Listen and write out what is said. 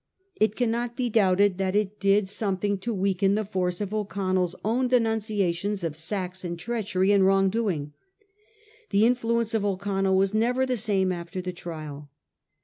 It cannot be doubted that it did something to weaken the force of O'Con nell's own denunciations of Saxon treachery and wrong doing. The influence of O'Connell was never the same after the trial.